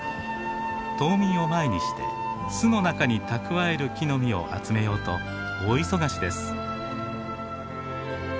冬眠を前にして巣の中に蓄える木の実を集めようと大忙しです。